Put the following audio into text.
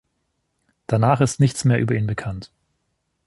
Danach ist nichts mehr über ihn bekannt.